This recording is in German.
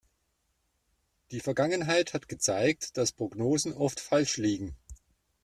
Die Vergangenheit hat gezeigt, dass Prognosen oft falsch liegen.